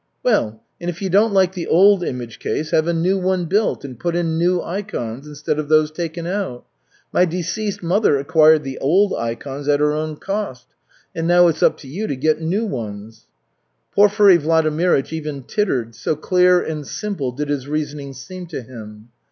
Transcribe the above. "Well, and if you don't like the old image case, have a new one built and put in new ikons instead of those taken out. My deceased mother acquired the old ikons at her own cost, and now it's up to you to get new ones." Porfiry Vladimirych even tittered, so clear and simple did his reasoning seem to him.